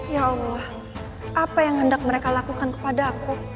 ya allah apa yang hendak mereka lakukan kepada aku